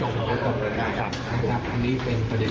ผู้เรือเข้าไปหนักในพื้นที่แล้ว